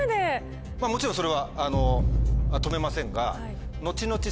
もちろんそれは止めませんがのちのち